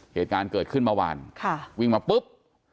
เหตุการณ์เกิดขึ้นเมื่อวานวิ่งมาปุ๊บ